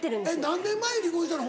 何年前に離婚したの？